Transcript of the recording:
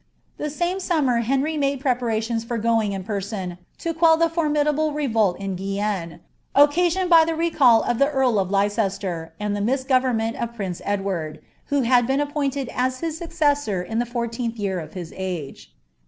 The same summer Henry made preparations for going in person, to quell the formidable revolt in Guienne, occasioned by the recall of the earl of Leicester, and the misgovemment of prince Edward, who had been appointed as his successor in the fourteenth year of his age.